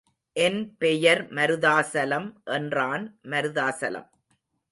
என் பெயர் மருதாசலம் என்றான் மருதாசலம்.